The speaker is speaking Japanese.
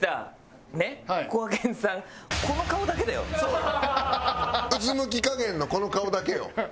うつむき加減のこの顔だけよ。